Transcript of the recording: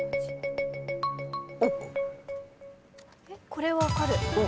これ分かる。